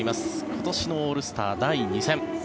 今年のオールスター第２戦。